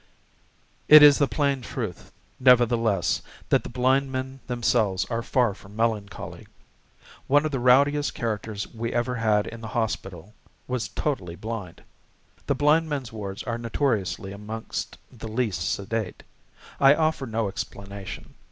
It is the plain truth, nevertheless, that the blind men themselves are far from melancholy. One of the rowdiest characters we ever had in the hospital was totally blind. The blind men's wards are notoriously amongst the least sedate. I offer no explanation.